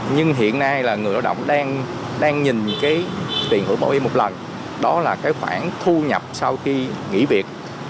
nhưng hiện nay là người lao động đang nhìn cái tiền gửi bảo hiểm y một lần đó là cái khoản thu nhập sau khi nghỉ việc